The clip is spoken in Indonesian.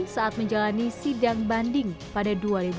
saat menjalani sidang banding pada dua ribu sembilan belas